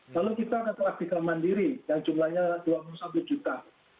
lalu kita dapat artikel mandiri yang jumlahnya dua puluh satu juta